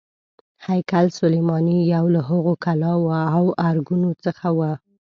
هیکل سلیماني یو له هغو کلاوو او ارګونو څخه و.